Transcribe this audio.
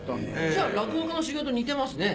じゃあ落語家の仕事似てますね。